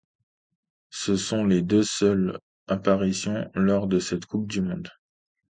Ce sont ses deux seules apparitions lors de cette Coupe du monde.